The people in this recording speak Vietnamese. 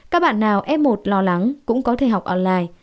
các bạn nào f một lo lắng cũng có thể học online